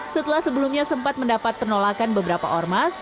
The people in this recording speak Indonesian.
setelah sebelumnya sempat mendapat penolakan beberapa ormas